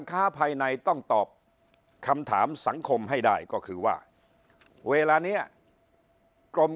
ค้าภายในต้องตอบคำถามสังคมให้ได้ก็คือว่าเวลานี้กรม